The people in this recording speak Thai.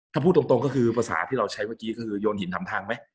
ถ้าพูดตรงก็คือภาษาที่เราใช้เมื่อกี้ก็คือโยนหินถามทางไหม